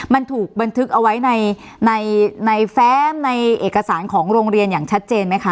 มันถูกบันทึกเอาไว้ในแฟ้มในเอกสารของโรงเรียนอย่างชัดเจนไหมคะ